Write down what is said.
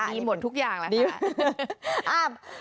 หมดทุกอย่างแหละดีค่ะ